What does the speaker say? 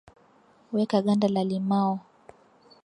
weka ganda la limao